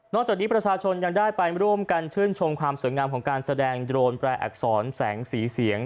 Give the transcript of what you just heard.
จากนี้ประชาชนยังได้ไปร่วมกันชื่นชมความสวยงามของการแสดงโดรนแปรอักษรแสงสีเสียง